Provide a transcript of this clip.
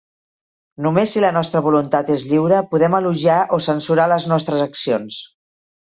Només si la nostra voluntat és lliure podem elogiar o censurar les nostres accions.